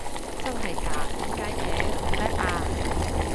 真係嘎？點解嘅？好叻啊！